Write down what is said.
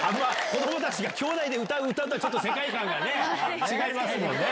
子どもたちがきょうだいで歌う歌とは、ちょっと世界観がね、違いますもんね。